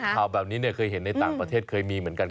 ข่าวแบบนี้เคยเห็นในต่างประเทศเคยมีเหมือนกัน